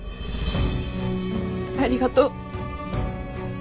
ありがとう。